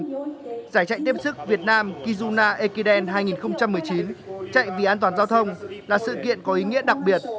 giải chạy tiếp sức việt nam kizuna ekiden hai nghìn một mươi chín chạy vì an toàn giao thông là sự kiện có ý nghĩa đặc biệt